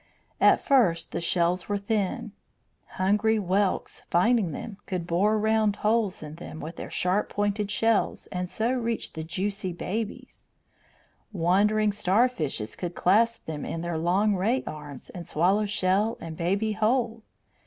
At first the shells were thin. Hungry whelks, finding them, could bore round holes in them with their sharp pointed shells and so reach the juicy babies; wandering starfishes could clasp them in their long ray arms and swallow shell and baby whole.